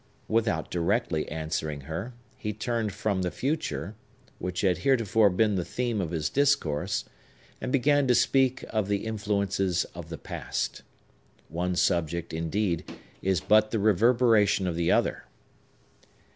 Without directly answering her, he turned from the Future, which had heretofore been the theme of his discourse, and began to speak of the influences of the Past. One subject, indeed, is but the reverberation of the other.